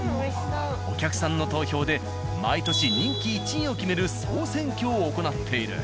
お客さんの投票で毎年人気１位を決める総選挙を行っている。